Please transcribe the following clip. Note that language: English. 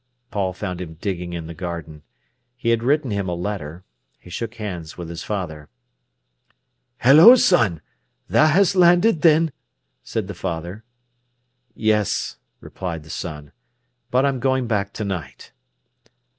Paul found him digging in the garden. He had written him a letter. He shook hands with his father. "Hello, son! Tha has landed, then?" said the father. "Yes," replied the son. "But I'm going back to night."